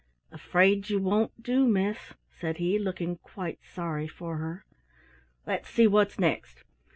"Afraid you won't do, miss," said he, looking quite sorry for her. "Let's see what's next.